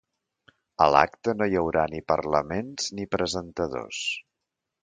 A l’acte no hi haurà ni parlaments ni presentadors.